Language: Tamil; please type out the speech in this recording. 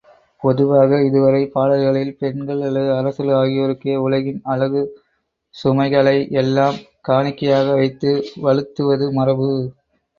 பொதுவாக இதுவரை பாடல்களில், பெண்கள் அல்லது அரசர்கள் ஆகியோருக்கே உலகின் அழகுச் சுமைகளையெல்லாம் காணிக்கையாக வைத்து வழுத்துவது மரபு.